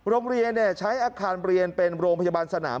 โรงเรียนใช้อาคารเรียนเป็นโรงพยาบาลสนาม